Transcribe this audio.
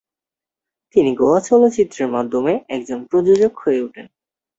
তিনি গোয়া চলচ্চিত্রের মাধ্যমে একজন প্রযোজক হয়ে ওঠেন।